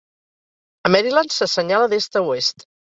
A Maryland, se senyala d'est a oest.